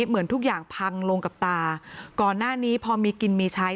เหมือนทุกอย่างพังลงกับตาก่อนหน้านี้พอมีกินมีใช้